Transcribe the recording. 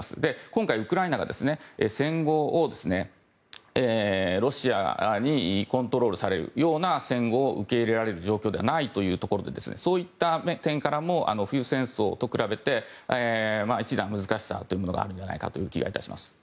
今回、ウクライナが戦後をロシアにコントロールされるような戦後を受け入れられる状況ではないそういった点からも冬戦争と比べて一段難しさというものがあるという気がいたします。